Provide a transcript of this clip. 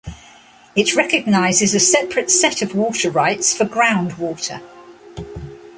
It recognizes a separate set of water rights for groundwater.